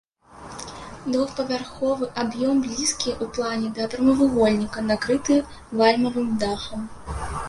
Двухпавярховы аб'ём блізкі ў плане да прамавугольніка, накрыты вальмавым дахам.